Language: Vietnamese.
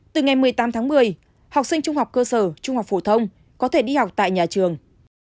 từ ngày một mươi tám tháng một mươi học sinh trung học cơ sở trung học phổ thông có thể đi học tại nhà trường